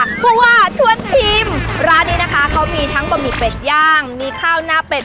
เพราะว่าชวนชิมร้านนี้นะคะเขามีทั้งบะหมี่เป็ดย่างมีข้าวหน้าเป็ด